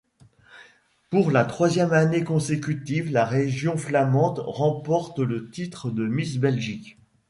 Pour la troisième année consécutive, la Région flamande remporte le titre de Miss Belgique.